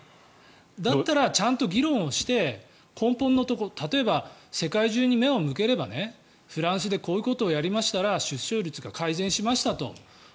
だったらちゃんと議論をして根本のところ例えば世界中に目を向ければフランスでこういうことをやりましたら出生率が改善しましたと。